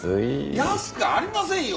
安くありませんよ。